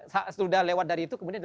sudah lewat dari itu kemudian